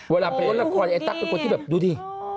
เวลาไปเล่นละครไอ้ตั๊กเป็นคนที่แบบดูดิ